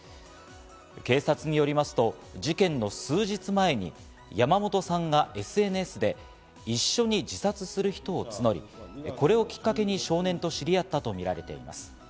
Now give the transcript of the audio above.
警察によりますと事件の数日前に山本さんがＳＮＳで一緒に自殺する人を募り、これをきっかけに少年と知り合ったとみられています。